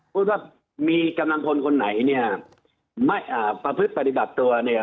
พูดว่ามีกำลังพลคนไหนเนี่ยไม่อ่าประพฤติปฏิบัติตัวเนี่ย